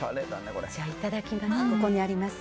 じゃあいただきます。